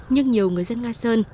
nhưng nhiều người dân nga sơn